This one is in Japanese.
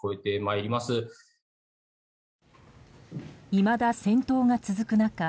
いまだ戦闘が続く中